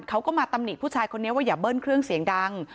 เขาก็มาตำหนิผู้ชายคนนี้ว่าอย่าเบิ้ลเครื่องเสียงดัง